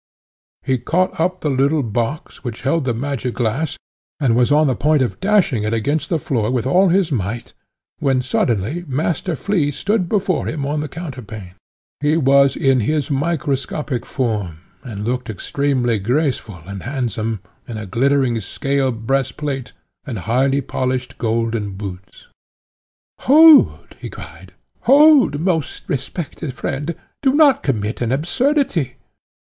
He caught up the little box, which held the magic glass, and was on the point of dashing it against the floor with all his might, when suddenly Master Flea stood before him on the counterpane: he was in his microscopic form, and looked extremely graceful and handsome, in a glittering scale breastplate, and highly polished golden boots. "Hold!" he cried; "hold, most respected friend; do not commit an absurdity.